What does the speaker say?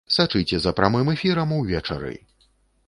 Сачыце за прамым эфірам увечары!